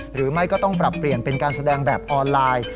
หรือไม่ก็ต้องปรับเปลี่ยนเป็นการแสดงแบบออนไลน์